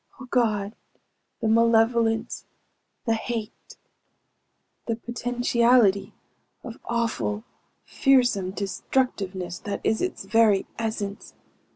Oh God, the malevolence, the hate the potentiality of awful, fearsome destructiveness that is its very essence!